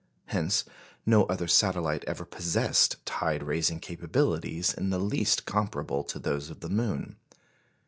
Hence no other satellite ever possessed tide raising capabilities in the least comparable to those of the moon.